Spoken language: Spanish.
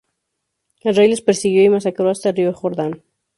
El rey los persiguió y masacró hasta el río Jordán.